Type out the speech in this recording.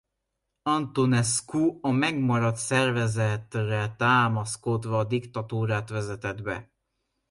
Antonescu a megmaradt szervezetre támaszkodva diktatúrát vezetett be.